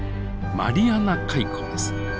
マリアナ海溝です。